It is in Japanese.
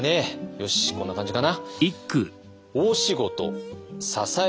よしこんな感じかな。